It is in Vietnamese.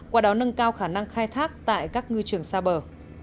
qua đó nâng cao khả năng khai thác tại các ngư trường xa bờ